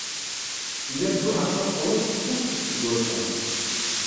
Nna Lǧuheṛ Tabetṛunt tekkuffet seg wurfan.